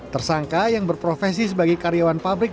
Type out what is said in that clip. tersangka yang berprofesi sebagai karyawan pabrik